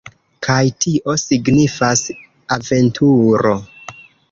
Kaj tio signifas aventuro!